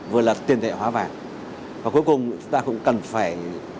và cuối cùng chúng ta cũng cần phải